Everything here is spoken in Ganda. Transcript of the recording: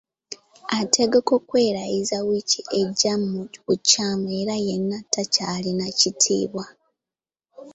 Ategeka okwerayiza wiiki ejja mu bukyamu era yenna takyalina kitiibwa.